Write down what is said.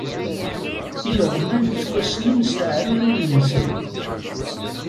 Ileɣman ttwassnen s teɛrurin-nsen.